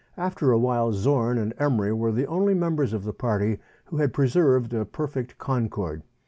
After a while Zorn and Emery were the only members of the party who had preserved a perfect concord.